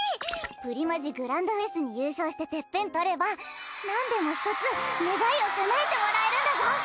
プリマジグランドフェスに優勝しててっぺんとればなんでも１つ願いをかなえてもらえるんだぞ！